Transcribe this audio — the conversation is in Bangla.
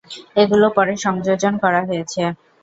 এগুলো পরে সংযোজন করা হয়েছে।